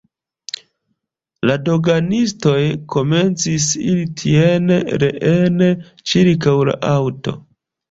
La doganistoj komencis iri tien-reen ĉirkaŭ la aŭto.